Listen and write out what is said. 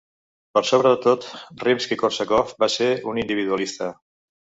Per sobre de tot, Rimski-Kórsakov va ser un individualista.